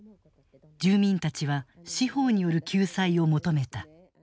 住民たちは司法による救済を求めた。